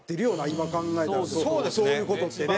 今考えたらそういう事ってね。